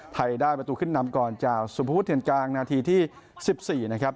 ไทยได้ประตูขึ้นนำก่อนจากสุภวุฒเทียนกลางนาทีที่๑๔นะครับ